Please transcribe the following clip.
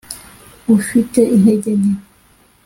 ufite intege nke